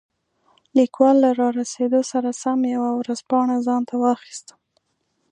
لیکوال له رارسېدو سره سم یوه ورځپاڼه ځانته واخیسته.